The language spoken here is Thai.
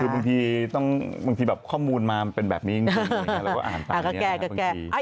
คือบางทีข้อมูลมาเป็นแบบนี้แล้วก็อ่านภาพนี้